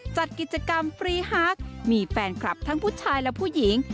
จัดกิจกรรมฟรีฮักมีแฟนคลับทั้งผู้ชายและผู้หญิง